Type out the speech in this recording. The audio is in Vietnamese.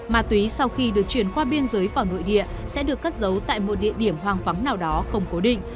ma túy sau khi được chuyển qua biên giới vào nội địa sẽ được cất giấu tại một địa điểm hoang vắng nào đó không cố định